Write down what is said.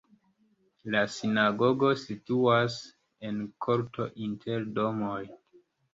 La sinagogo situas en korto inter domoj.